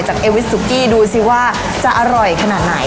เอวิสสุกี้ดูสิว่าจะอร่อยขนาดไหน